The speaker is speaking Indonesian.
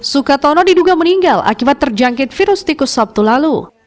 sukatono diduga meninggal akibat terjangkit virus tikus sabtu lalu